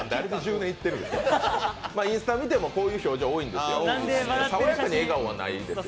インスタ見てもこういう表情が多いんですよ、笑顔はないかな。